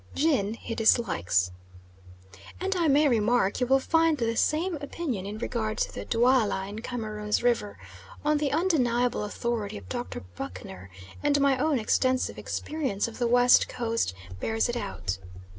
Gin he dislikes. And I may remark you will find the same opinion in regard to the Dualla in Cameroons river on the undeniable authority of Dr. Buchner, and my own extensive experience of the West Coast bears it out.